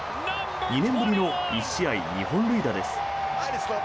２年ぶりの１試合２本塁打です。